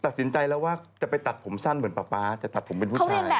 ตัดสินใจแล้วว่าจะไปตัดผมสั้นเหมือนป๊าป๊าจะตัดผมเป็นผู้ชาย